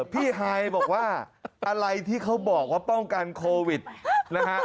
พี่ฮายบอกว่าอะไรที่เขาบอกว่าป้องกันโควิดนะฮะ